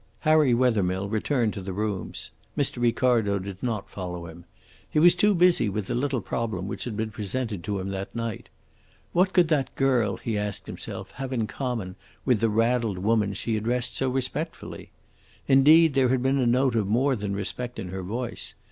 Harry Wethermill returned to the rooms. Mr. Ricardo did not follow him. He was too busy with the little problem which had been presented to him that night. What could that girl, he asked himself, have in common with the raddled woman she addressed so respectfully? Indeed, there had been a note of more than respect in her voice.